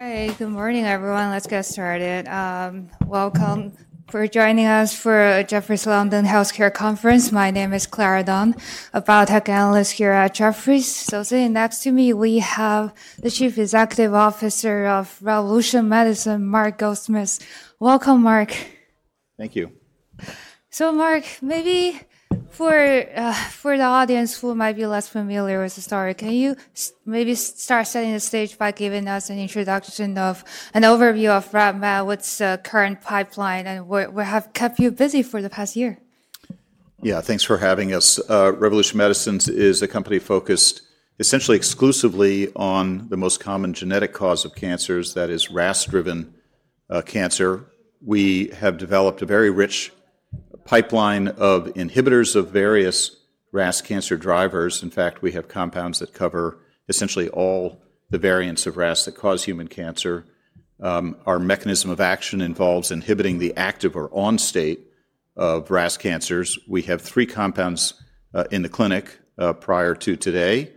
Hey, good morning, everyone. Let's get started. Welcome for joining us for Jefferies London Healthcare Conference. My name is Clara Dunn, a biotech analyst here at Jefferies. So sitting next to me, we have the Chief Executive Officer of Revolution Medicines, Mark Goldsmith. Welcome, Mark. Thank you. Mark, maybe for the audience who might be less familiar with the story, can you maybe start setting the stage by giving us an introduction of an overview of Revolution Medicines, what's the current pipeline, and what have kept you busy for the past year? Yeah, thanks for having us. Revolution Medicines is a company focused essentially exclusively on the most common genetic cause of cancers, that is, RAS-driven cancer. We have developed a very rich pipeline of inhibitors of various RAS cancer drivers. In fact, we have compounds that cover essentially all the variants of RAS that cause human cancer. Our mechanism of action involves inhibiting the active or on state of RAS cancers. We have three compounds in the clinic prior to today,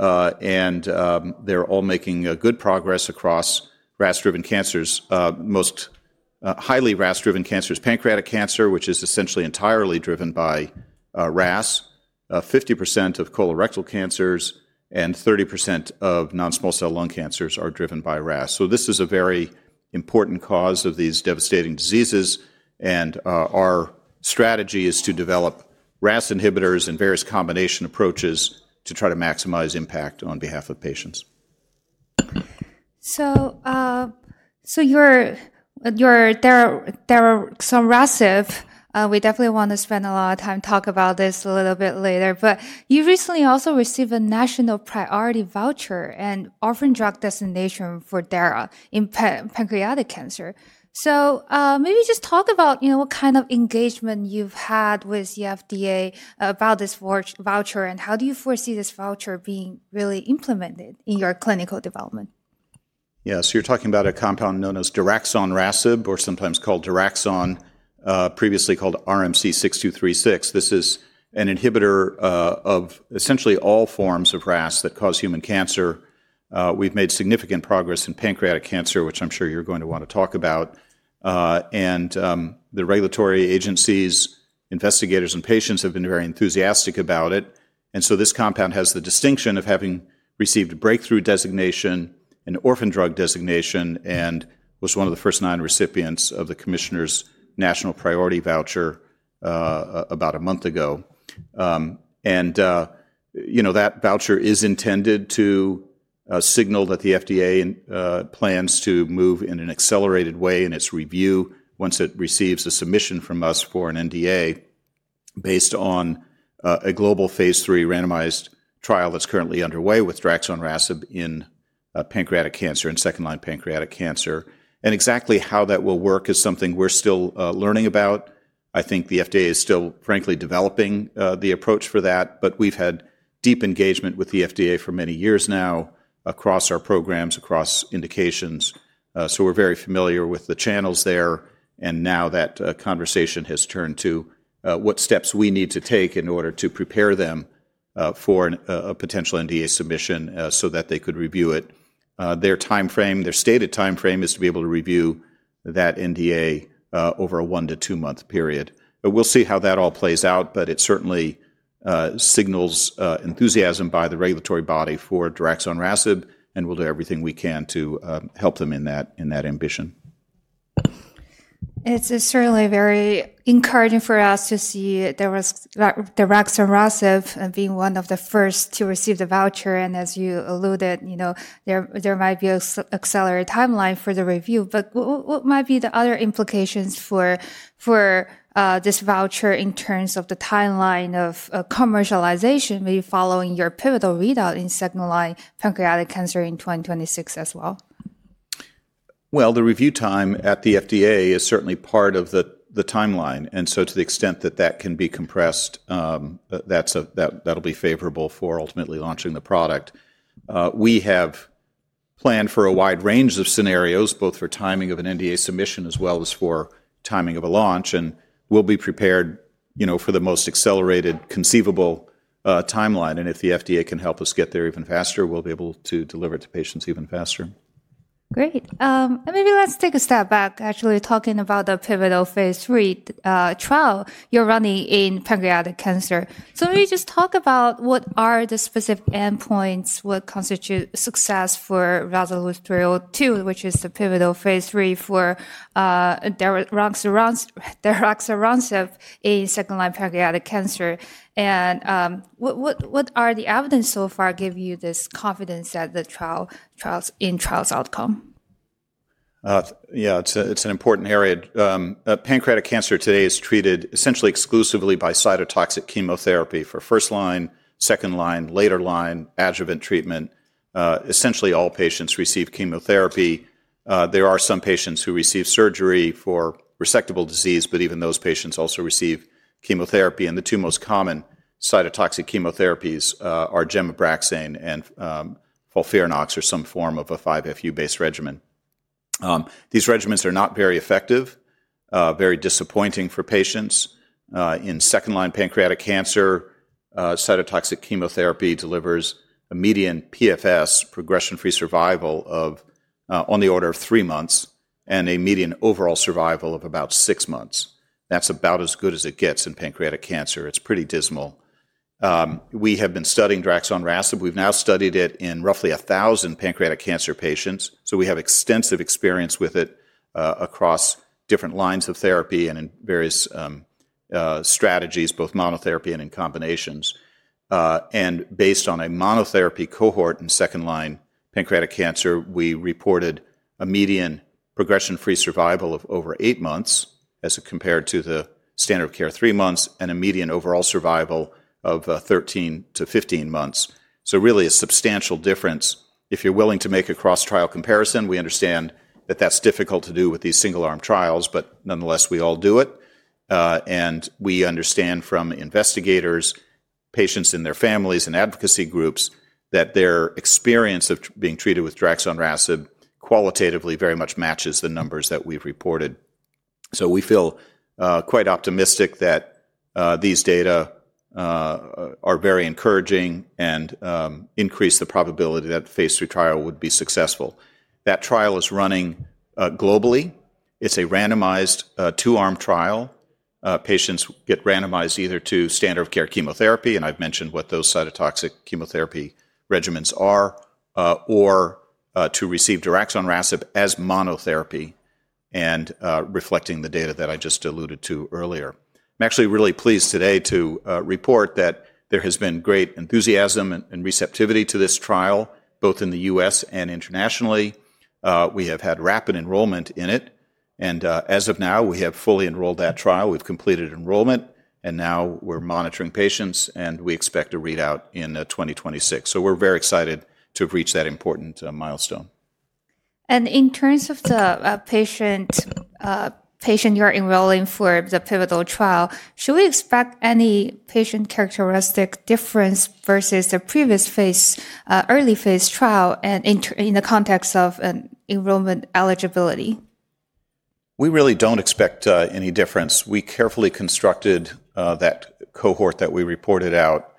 and they're all making good progress across RAS-driven cancers, most highly RAS-driven cancers, pancreatic cancer, which is essentially entirely driven by RAS, 50% of colorectal cancers, and 30% of non-small cell lung cancers are driven by RAS. This is a very important cause of these devastating diseases, and our strategy is to develop RAS inhibitors and various combination approaches to try to maximize impact on behalf of patients. There are some RASs. We definitely want to spend a lot of time talking about this a little bit later, but you recently also received a Commissioner's National Priority Voucher and Orphan Drug Designation for DARA in pancreatic cancer. Maybe just talk about what kind of engagement you've had with the FDA about this voucher, and how do you foresee this voucher being really implemented in your clinical development? Yeah, so you're talking about a compound known as daraxonrasib, or sometimes called daraxon, previously called RMC-6236. This is an inhibitor of essentially all forms of RAS that cause human cancer. We've made significant progress in pancreatic cancer, which I'm sure you're going to want to talk about, and the regulatory agencies, investigators, and patients have been very enthusiastic about it. This compound has the distinction of having received a Breakthrough Designation, an Orphan Drug Designation, and was one of the first nine recipients of the Commissioner's National Priority Voucher about a month ago. That voucher is intended to signal that the FDA plans to move in an accelerated way in its review once it receives a submission from us for an NDA based on a global phase III randomized trial that's currently underway with daraxonrasib in pancreatic cancer and second-line pancreatic cancer. Exactly how that will work is something we're still learning about. I think the FDA is still, frankly, developing the approach for that, but we've had deep engagement with the FDA for many years now across our programs, across indications. We are very familiar with the channels there, and now that conversation has turned to what steps we need to take in order to prepare them for a potential NDA submission so that they could review it. Their timeframe, their stated timeframe, is to be able to review that NDA over a one to two-month period. We will see how that all plays out, but it certainly signals enthusiasm by the regulatory body for daraxonrasib, and we'll do everything we can to help them in that ambition. It's certainly very encouraging for us to see daraxonrasib being one of the first to receive the voucher, and as you alluded, there might be an accelerated timeline for the review. What might be the other implications for this voucher in terms of the timeline of commercialization, maybe following your pivotal readout in second-line pancreatic cancer in 2026 as well? The review time at the FDA is certainly part of the timeline, and to the extent that that can be compressed, that'll be favorable for ultimately launching the product. We have planned for a wide range of scenarios, both for timing of an NDA submission as well as for timing of a launch, and we'll be prepared for the most accelerated conceivable timeline. If the FDA can help us get there even faster, we'll be able to deliver it to patients even faster. Great. Maybe let's take a step back, actually, talking about the pivotal phase III trial you're running in pancreatic cancer. Maybe just talk about what are the specific endpoints, what constitutes success for RASolute 302, which is the pivotal phase III for daraxonrasib in second-line pancreatic cancer, and what are the evidence so far giving you this confidence in the trial's outcome? Yeah, it's an important area. Pancreatic cancer today is treated essentially exclusively by cytotoxic chemotherapy for first-line, second-line, later-line adjuvant treatment. Essentially, all patients receive chemotherapy. There are some patients who receive surgery for resectable disease, but even those patients also receive chemotherapy. The two most common cytotoxic chemotherapies are Gem-Abraxane and FOLFIRINOX or some form of a 5FU-based regimen. These regimens are not very effective, very disappointing for patients. In second-line pancreatic cancer, cytotoxic chemotherapy delivers a median PFS, progression-free survival, of on the order of three months and a median overall survival of about six months. That's about as good as it gets in pancreatic cancer. It's pretty dismal. We have been studying daraxonrasib. We've now studied it in roughly 1,000 pancreatic cancer patients, so we have extensive experience with it across different lines of therapy and in various strategies, both monotherapy and in combinations. Based on a monotherapy cohort in second-line pancreatic cancer, we reported a median progression-free survival of over eight months as compared to the standard of care three months and a median overall survival of 13-15 months. Really a substantial difference. If you're willing to make a cross-trial comparison, we understand that that's difficult to do with these single-arm trials, but nonetheless, we all do it. We understand from investigators, patients and their families, and advocacy groups that their experience of being treated with daraxonrasib qualitatively very much matches the numbers that we've reported. We feel quite optimistic that these data are very encouraging and increase the probability that a phase III trial would be successful. That trial is running globally. It's a randomized two-arm trial. Patients get randomized either to standard of care chemotherapy, and I've mentioned what those cytotoxic chemotherapy regimens are, or to receive daraxonrasib as monotherapy and reflecting the data that I just alluded to earlier. I'm actually really pleased today to report that there has been great enthusiasm and receptivity to this trial, both in the U.S. and internationally. We have had rapid enrollment in it, and as of now, we have fully enrolled that trial. We've completed enrollment, and now we're monitoring patients, and we expect a readout in 2026. We are very excited to have reached that important milestone. In terms of the patient you're enrolling for the pivotal trial, should we expect any patient characteristic difference versus the previous phase, early phase trial in the context of enrollment eligibility? We really don't expect any difference. We carefully constructed that cohort that we reported out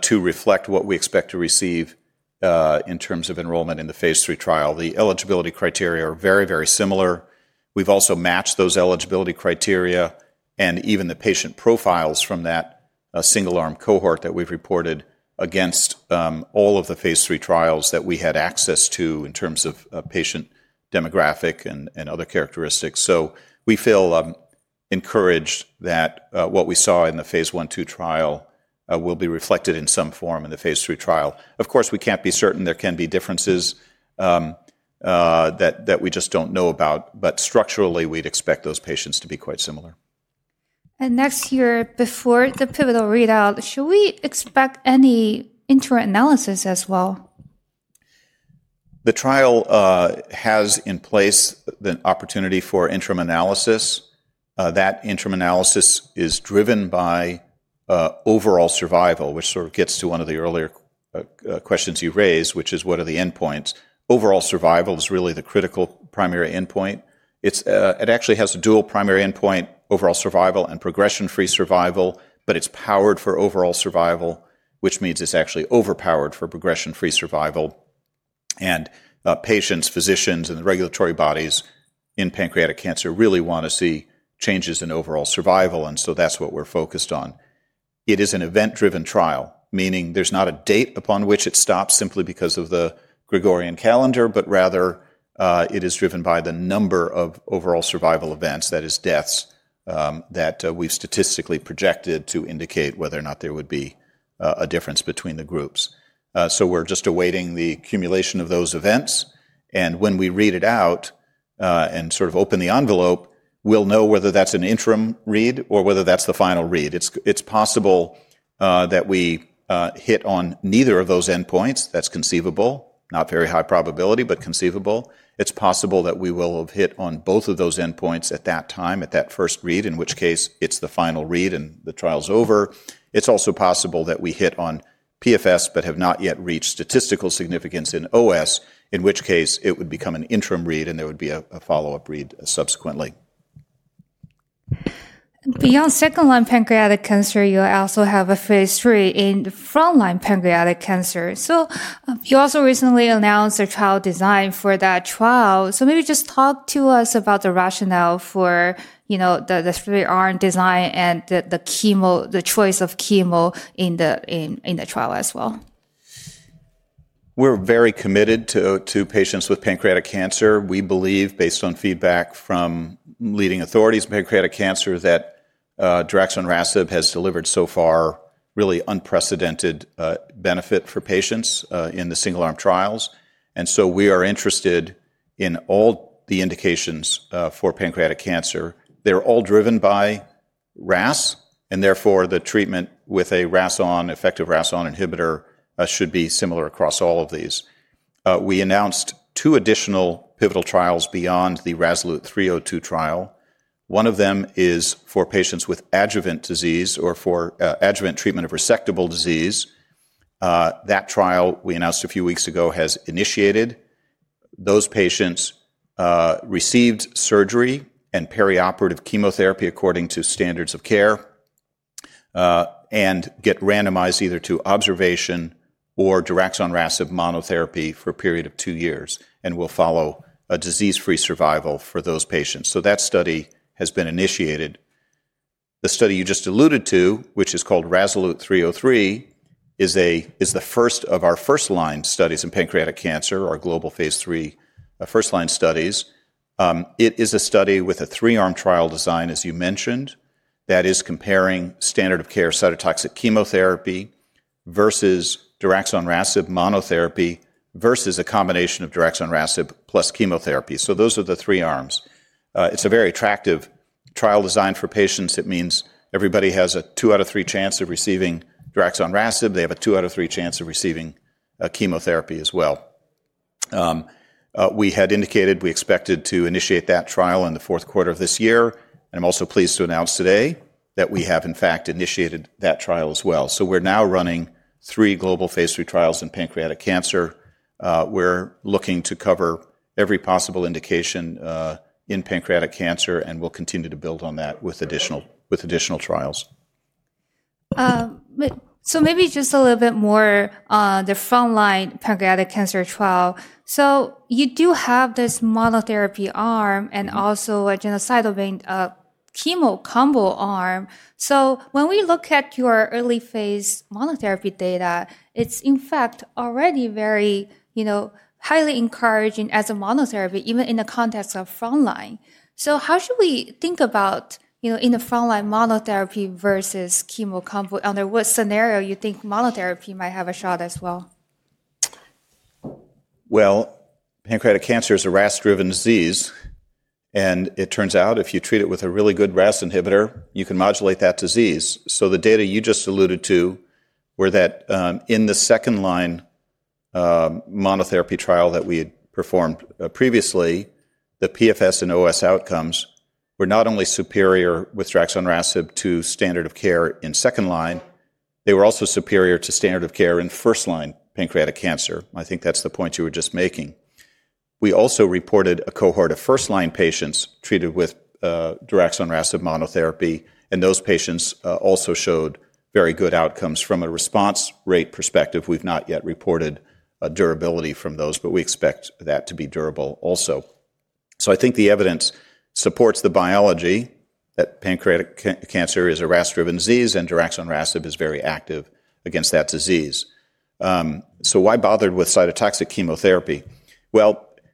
to reflect what we expect to receive in terms of enrollment in the phase III trial. The eligibility criteria are very, very similar. We've also matched those eligibility criteria and even the patient profiles from that single-arm cohort that we've reported against all of the phase III trials that we had access to in terms of patient demographic and other characteristics. We feel encouraged that what we saw in the phase I-II trial will be reflected in some form in the phase III trial. Of course, we can't be certain. There can be differences that we just don't know about, but structurally, we'd expect those patients to be quite similar. Next year, before the pivotal readout, should we expect any interim analysis as well? The trial has in place the opportunity for interim analysis. That interim analysis is driven by overall survival, which sort of gets to one of the earlier questions you raised, which is what are the endpoints. Overall survival is really the critical primary endpoint. It actually has a dual primary endpoint, overall survival and progression-free survival, but it's powered for overall survival, which means it's actually overpowered for progression-free survival. Patients, physicians, and the regulatory bodies in pancreatic cancer really want to see changes in overall survival, and so that's what we're focused on. It is an event-driven trial, meaning there's not a date upon which it stops simply because of the Gregorian calendar, but rather it is driven by the number of overall survival events, that is, deaths that we've statistically projected to indicate whether or not there would be a difference between the groups. We're just awaiting the accumulation of those events, and when we read it out and sort of open the envelope, we'll know whether that's an interim read or whether that's the final read. It's possible that we hit on neither of those endpoints. That's conceivable, not very high probability, but conceivable. It's possible that we will have hit on both of those endpoints at that time, at that first read, in which case it's the final read and the trial's over. It's also possible that we hit on PFS but have not yet reached statistical significance in OS, in which case it would become an interim read and there would be a follow-up read subsequently. Beyond second-line pancreatic cancer, you also have a phase III in front-line pancreatic cancer. You also recently announced a trial design for that trial. Maybe just talk to us about the rationale for the three-arm design and the choice of chemo in the trial as well. We're very committed to patients with pancreatic cancer. We believe, based on feedback from leading authorities in pancreatic cancer, that daraxonrasib has delivered so far really unprecedented benefit for patients in the single-arm trials. We are interested in all the indications for pancreatic cancer. They're all driven by RAS, and therefore the treatment with an effective RAS inhibitor should be similar across all of these. We announced two additional pivotal trials beyond the RASolute 302 trial. One of them is for patients with adjuvant disease or for adjuvant treatment of resectable disease. That trial we announced a few weeks ago has initiated. Those patients received surgery and perioperative chemotherapy according to standards of care and get randomized either to observation or daraxonrasib monotherapy for a period of two years and will follow disease-free survival for those patients. That study has been initiated. The study you just alluded to, which is called RASolute 303, is the first of our first-line studies in pancreatic cancer, our global phase III first-line studies. It is a study with a three-arm trial design, as you mentioned, that is comparing standard of care cytotoxic chemotherapy versus daraxonrasib monotherapy versus a combination of daraxonrasib plus chemotherapy. Those are the three arms. It's a very attractive trial design for patients. It means everybody has a two out of three chance of receiving daraxonrasib. They have a two out of three chance of receiving chemotherapy as well. We had indicated we expected to initiate that trial in the fourth quarter of this year, and I'm also pleased to announce today that we have, in fact, initiated that trial as well. We're now running three global phase III trials in pancreatic cancer. We're looking to cover every possible indication in pancreatic cancer, and we'll continue to build on that with additional trials. Maybe just a little bit more on the front-line pancreatic cancer trial. You do have this monotherapy arm and also a genotoxic chemo combo arm. When we look at your early phase monotherapy data, it's in fact already very highly encouraging as a monotherapy, even in the context of front-line. How should we think about in the front-line monotherapy versus chemo combo, under what scenario you think monotherapy might have a shot as well? Pancreatic cancer is a RAS-driven disease, and it turns out if you treat it with a really good RAS inhibitor, you can modulate that disease. The data you just alluded to were that in the second-line monotherapy trial that we had performed previously, the PFS and OS outcomes were not only superior with daraxonrasib to standard of care in second-line, they were also superior to standard of care in first-line pancreatic cancer. I think that's the point you were just making. We also reported a cohort of first-line patients treated with daraxonrasib monotherapy, and those patients also showed very good outcomes. From a response rate perspective, we've not yet reported durability from those, but we expect that to be durable also. I think the evidence supports the biology that pancreatic cancer is a RAS-driven disease and daraxonrasib is very active against that disease. Why bother with cytotoxic chemotherapy?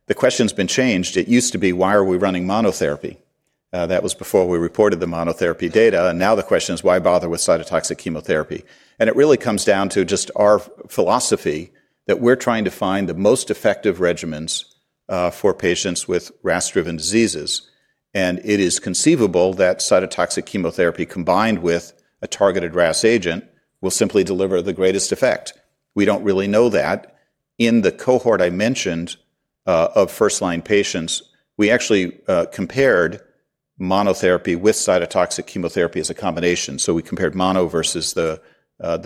The question has been changed. It used to be, why are we running monotherapy? That was before we reported the monotherapy data. Now the question is, why bother with cytotoxic chemotherapy? It really comes down to just our philosophy that we are trying to find the most effective regimens for patients with RAS-driven diseases. It is conceivable that cytotoxic chemotherapy combined with a targeted RAS agent will simply deliver the greatest effect. We do not really know that. In the cohort I mentioned of first-line patients, we actually compared monotherapy with cytotoxic chemotherapy as a combination. We compared mono versus the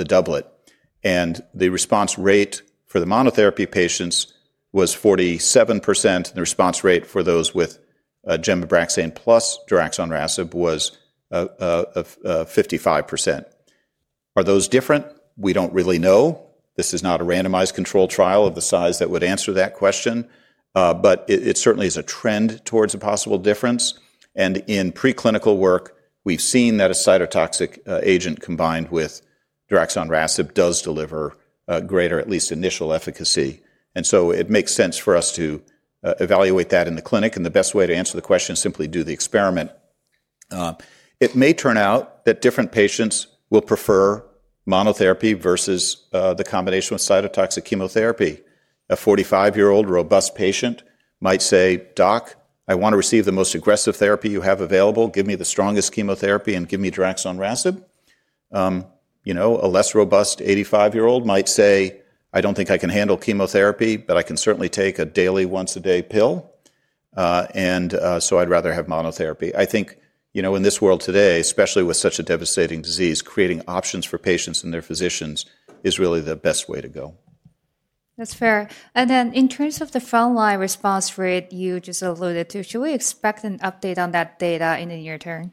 doublet. The response rate for the monotherapy patients was 47%, and the response rate for those with gemcitabine plus daraxonrasib was 55%. Are those different? We do not really know. This is not a randomized controlled trial of the size that would answer that question, but it certainly is a trend towards a possible difference. In preclinical work, we've seen that a cytotoxic agent combined with daraxonrasib does deliver greater, at least initial, efficacy. It makes sense for us to evaluate that in the clinic, and the best way to answer the question is simply do the experiment. It may turn out that different patients will prefer monotherapy versus the combination with cytotoxic chemotherapy. A 45-year-old robust patient might say, "Doc, I want to receive the most aggressive therapy you have available. Give me the strongest chemotherapy and give me daraxonrasib." A less robust 85-year-old might say, "I don't think I can handle chemotherapy, but I can certainly take a daily, once-a-day pill, and so I'd rather have monotherapy." I think in this world today, especially with such a devastating disease, creating options for patients and their physicians is really the best way to go. That's fair. In terms of the front-line response rate you just alluded to, should we expect an update on that data in the near term?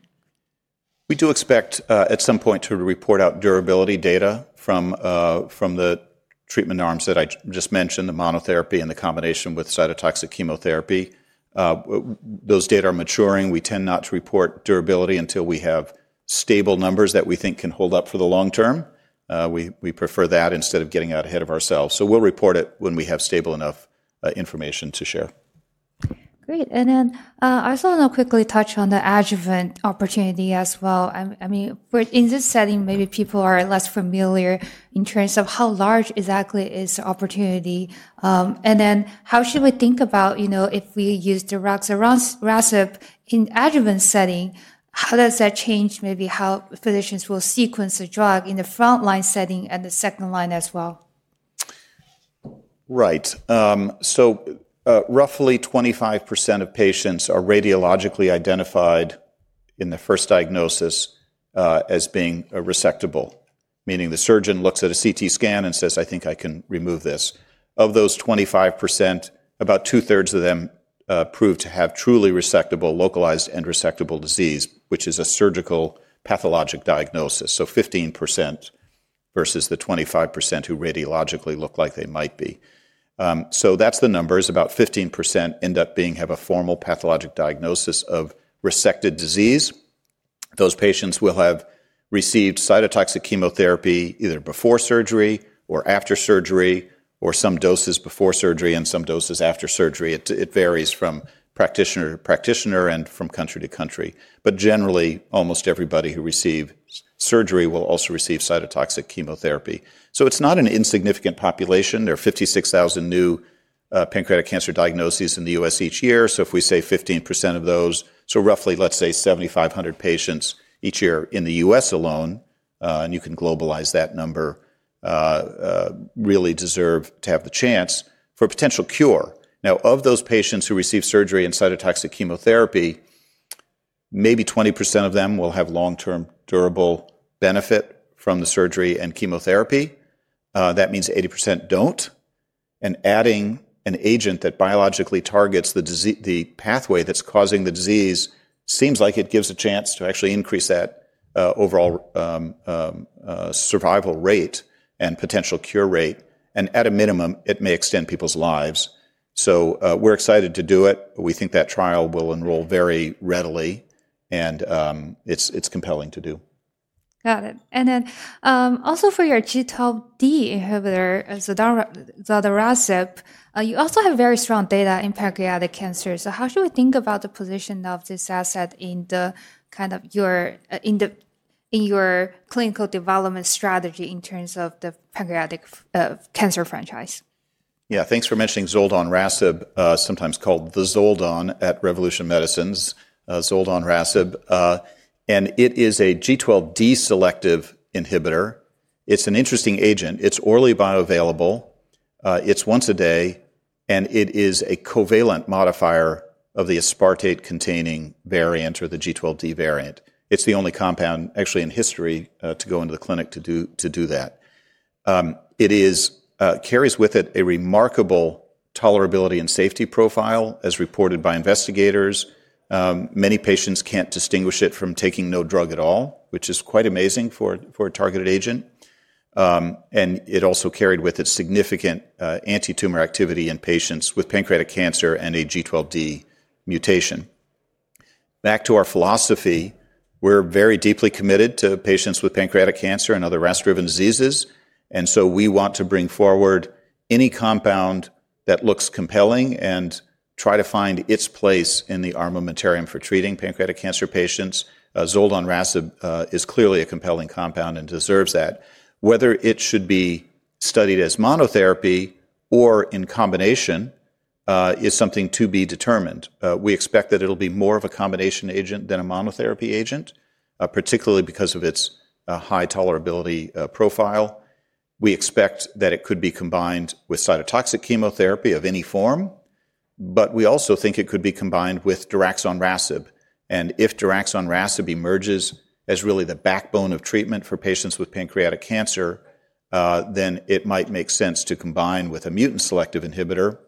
We do expect at some point to report out durability data from the treatment arms that I just mentioned, the monotherapy and the combination with cytotoxic chemotherapy. Those data are maturing. We tend not to report durability until we have stable numbers that we think can hold up for the long term. We prefer that instead of getting out ahead of ourselves. We will report it when we have stable enough information to share. Great. I also want to quickly touch on the adjuvant opportunity as well. I mean, in this setting, maybe people are less familiar in terms of how large exactly is the opportunity. How should we think about if we use daraxonrasib in adjuvant setting? How does that change maybe how physicians will sequence the drug in the front-line setting and the second-line as well? Right. So roughly 25% of patients are radiologically identified in the first diagnosis as being resectable, meaning the surgeon looks at a CT scan and says, "I think I can remove this." Of those 25%, about two-thirds of them prove to have truly resectable, localized and resectable disease, which is a surgical pathologic diagnosis. So 15% versus the 25% who radiologically look like they might be. That is the numbers. About 15% end up being have a formal pathologic diagnosis of resected disease. Those patients will have received cytotoxic chemotherapy either before surgery or after surgery or some doses before surgery and some doses after surgery. It varies from practitioner to practitioner and from country to country. Generally, almost everybody who receives surgery will also receive cytotoxic chemotherapy. It is not an insignificant population. There are 56,000 new pancreatic cancer diagnoses in the U.S. each year. If we say 15% of those, so roughly, let's say 7,500 patients each year in the U.S. alone, and you can globalize that number, really deserve to have the chance for a potential cure. Now, of those patients who receive surgery and cytotoxic chemotherapy, maybe 20% of them will have long-term durable benefit from the surgery and chemotherapy. That means 80% do not. Adding an agent that biologically targets the pathway that's causing the disease seems like it gives a chance to actually increase that overall survival rate and potential cure rate. At a minimum, it may extend people's lives. We're excited to do it. We think that trial will enroll very readily, and it's compelling to do. Got it. And then also for your G12D inhibitor, zoldonrasib, you also have very strong data in pancreatic cancer. So how should we think about the position of this asset in kind of your clinical development strategy in terms of the pancreatic cancer franchise? Yeah, thanks for mentioning zoldonrasib. Sometimes called the Zoldon at Revolution Medicines, zoldonrasib. And it is a G12D-selective inhibitor. It's an interesting agent. It's orally bioavailable. It's once a day, and it is a covalent modifier of the aspartate-containing variant or the G12D variant. It's the only compound actually in history to go into the clinic to do that. It carries with it a remarkable tolerability and safety profile, as reported by investigators. Many patients can't distinguish it from taking no drug at all, which is quite amazing for a targeted agent. It also carried with it significant anti-tumor activity in patients with pancreatic cancer and a G12D mutation. Back to our philosophy, we're very deeply committed to patients with pancreatic cancer and other RAS-driven diseases. We want to bring forward any compound that looks compelling and try to find its place in the armamentarium for treating pancreatic cancer patients. Zoldonrasib is clearly a compelling compound and deserves that. Whether it should be studied as monotherapy or in combination is something to be determined. We expect that it'll be more of a combination agent than a monotherapy agent, particularly because of its high tolerability profile. We expect that it could be combined with cytotoxic chemotherapy of any form, but we also think it could be combined with daraxonrasib. If daraxonrasib emerges as really the backbone of treatment for patients with pancreatic cancer, then it might make sense to combine with a mutant selective inhibitor.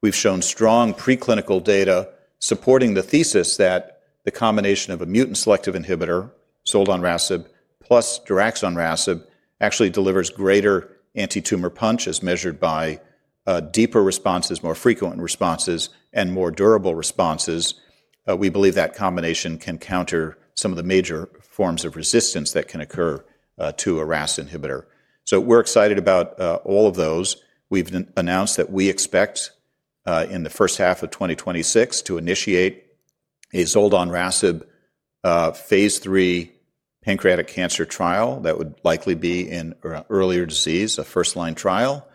We've shown strong preclinical data supporting the thesis that the combination of a mutant selective inhibitor, zoldonrasib plus daraxonrasib, actually delivers greater anti-tumor punch as measured by deeper responses, more frequent responses, and more durable responses. We believe that combination can counter some of the major forms of resistance that can occur to a RAS inhibitor. We're excited about all of those. We've announced that we expect in the first half of 2026 to initiate a zoldonrasib phase III pancreatic cancer trial that would likely be in earlier disease, a first-line trial.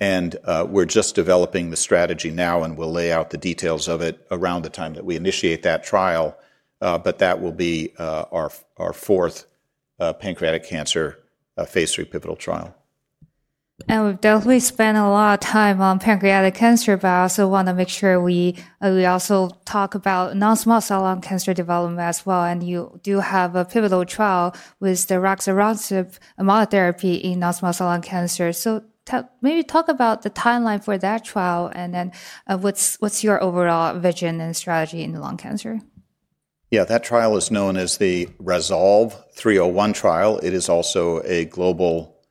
We're just developing the strategy now, and we'll lay out the details of it around the time that we initiate that trial. That will be our fourth pancreatic cancer phase III pivotal trial. We have definitely spent a lot of time on pancreatic cancer, but I also want to make sure we also talk about non-small cell lung cancer development as well. You do have a pivotal trial with daraxonrasib monotherapy in non-small cell lung cancer. Maybe talk about the timeline for that trial and then what is your overall vision and strategy in lung cancer? Yeah, that trial is known as the RASolve 301 trial. It is also a global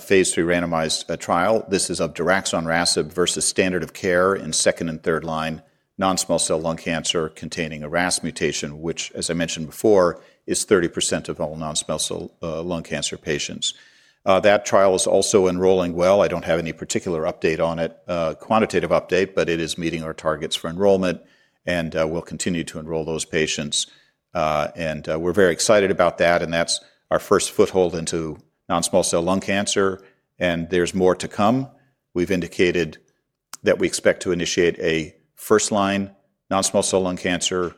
phase III randomized trial. This is of daraxonrasib versus standard of care in second and third-line non-small cell lung cancer containing a RAS mutation, which, as I mentioned before, is 30% of all non-small cell lung cancer patients. That trial is also enrolling well. I do not have any particular update on it, quantitative update, but it is meeting our targets for enrollment, and we will continue to enroll those patients. We are very excited about that, and that is our first foothold into non-small cell lung cancer, and there is more to come. We have indicated that we expect to initiate a first-line non-small cell lung cancer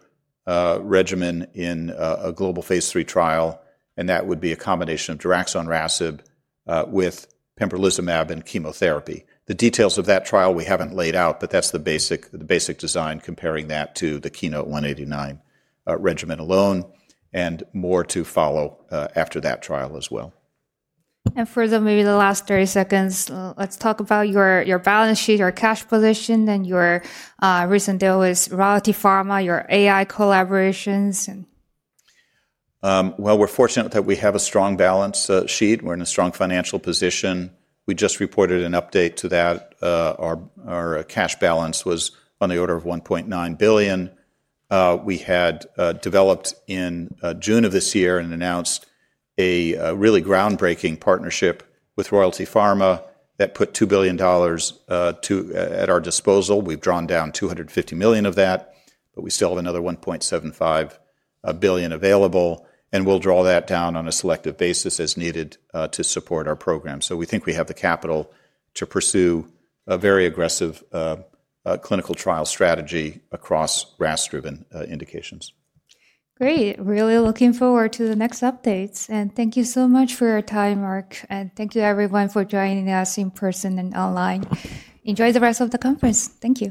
regimen in a global phase III trial, and that would be a combination of daraxonrasib with pembrolizumab and chemotherapy. The details of that trial we haven't laid out, but that's the basic design comparing that to the KEYNOTE-189 regimen alone and more to follow after that trial as well. For maybe the last 30 seconds, let's talk about your balance sheet, your cash position, and your recent deal with Royalty Pharma, your AI collaborations. We're fortunate that we have a strong balance sheet. We're in a strong financial position. We just reported an update to that. Our cash balance was on the order of $1.9 billion. We had developed in June of this year and announced a really groundbreaking partnership with Royalty Pharma that put $2 billion at our disposal. We've drawn down $250 million of that, but we still have another $1.75 billion available, and we'll draw that down on a selective basis as needed to support our program. We think we have the capital to pursue a very aggressive clinical trial strategy across RAS-driven indications. Great. Really looking forward to the next updates. Thank you so much for your time, Mark, and thank you everyone for joining us in person and online. Enjoy the rest of the conference. Thank you.